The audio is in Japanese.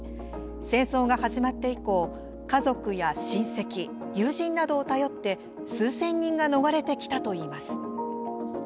戦争が始まって以降家族や親戚、友人などを頼って数千人が逃れてきたといいます。